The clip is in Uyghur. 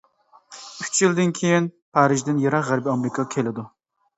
ئۈچ يىلدىن كېيىن پارىژدىن يىراق غەربىي ئامېرىكىغا كېلىدۇ.